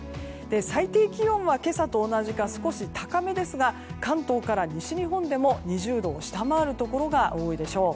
最低気温は今朝と同じか少し高めですが関東から西日本でも２０度を下回るところが多いでしょう。